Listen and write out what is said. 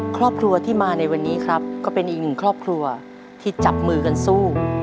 ครอบครัวที่มาในวันนี้ครับก็เป็นอีกหนึ่งครอบครัวที่จับมือกันสู้